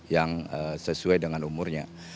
yang sesuai dengan umurnya